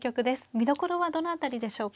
見どころはどの辺りでしょうか。